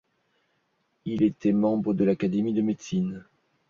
Il était membre de l'académie de médecine.